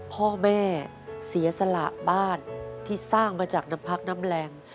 พ่อแม่เสียสละบ้านที่สร้างมาจากน้ำพักน้ำแรง